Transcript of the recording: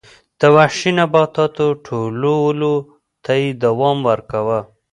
د وحشي نباتاتو ټولولو ته یې دوام ورکاوه